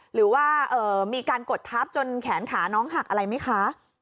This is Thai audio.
หรือว่ามีการกดทับจนแขนขาน้องหักอะไรไหมคะ